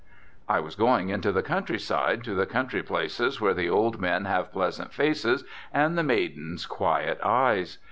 I was going into the countryside, to the country places where the old men have pleasant faces and the maidens quiet eyes.